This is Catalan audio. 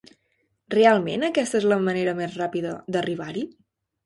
Realment aquesta és la manera més ràpida d'arribar-hi?